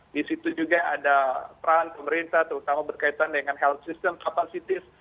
di situ juga ada peran pemerintah terutama berkaitan dengan health system capacity